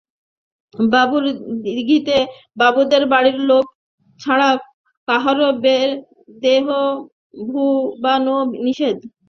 বাবুর দিঘিতে বাবুদের বাড়ির লোক ছাড়া কাহারো দেহ ভুবানো নিষেধ।